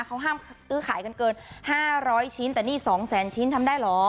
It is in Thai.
เขาห้ามซื้อขายกันเกิน๕๐๐ชิ้นแต่นี่๒แสนชิ้นทำได้เหรอ